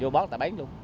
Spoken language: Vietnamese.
vô bóng tài bán luôn